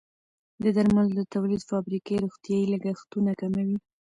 د درملو د تولید فابریکې روغتیايي لګښتونه کموي.